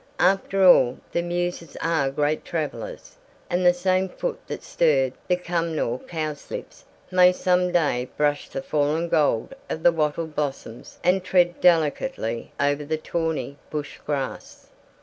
After all, the Muses are great travellers, and the same foot that stirred the Cumnor cowslips may some day brush the fallen gold of the wattle blossoms and tread delicately over the tawny bush grass.